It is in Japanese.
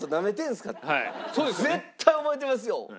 絶対覚えてますよ！